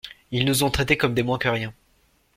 Ils nous ont traités comme des moins que rien.